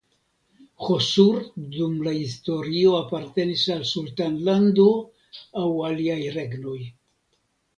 Hosur dum la historio apartenis al sultanlando aŭ aliaj regnoj.